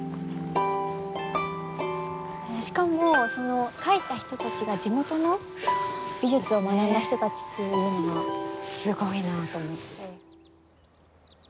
しかもその描いた人たちが地元の美術を学んだ人たちっていうのがすごいなと思って。